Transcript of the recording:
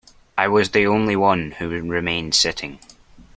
I was the only one who remained sitting.